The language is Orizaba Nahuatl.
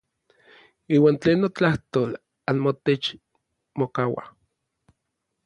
Iuan tlen notlajtol anmotech mokaua.